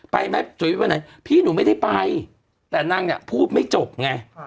ไปไหมจุ๋ยไปไหนพี่หนูไม่ได้ไปแต่นางเนี่ยพูดไม่จบไง